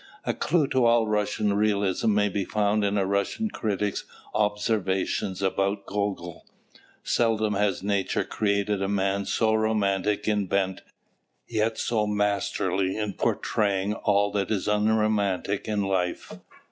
A clue to all Russian realism may be found in a Russian critic's observation about Gogol: "Seldom has nature created a man so romantic in bent, yet so masterly in portraying all that is unromantic in life."